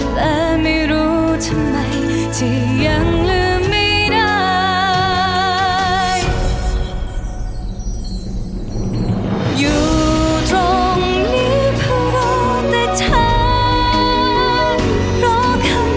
ทำไมไม่บอกฉันที่ยังข้างหัวใจฉันอยู่